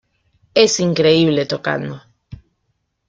Es increíble tocando.